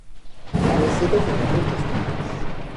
La meseta tiene muchas tumbas.